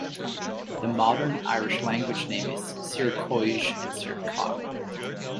The modern Irish language name is Searcoig or Searcog.